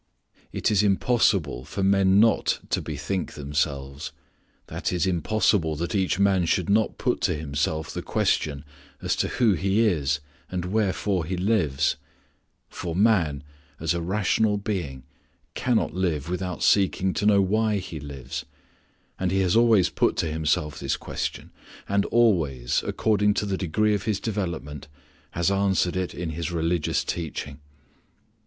It is impossible for men not to bethink themselves i.e. impossible that each man should not put to himself the question as to who he is and wherefore he lives; for man, as a rational being, cannot live without seeking to know why he lives, and he has always put to himself this question, and always, according to the degree of his development, has answered it in his religious teaching.